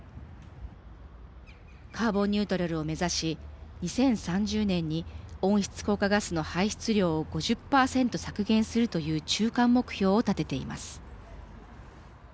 カーボンニュートラルを目指し２０３０年に温室効果ガスの排出量を５０％削減するという中間目標を立てています。